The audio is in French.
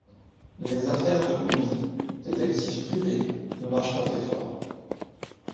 Les affaires de Moby, détective privé, ne marchent pas très fort.